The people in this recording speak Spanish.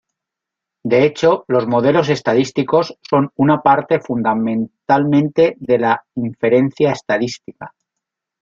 De hecho, los modelos estadísticos son una parte fundamentalmente de la inferencia estadística.